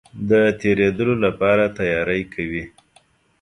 د تېرېدلو لپاره تیاری کوي.